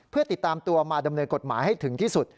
เพื่อติดตามตัวมาดำเนินกฎหมายให้ถึงที่สุด